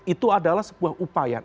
itu adalah sebuah upaya